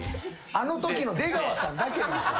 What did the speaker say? あのときの出川さんだけなんすよ